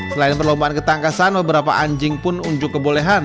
selain perlombaan ketangkasan beberapa anjing pun unjuk kebolehan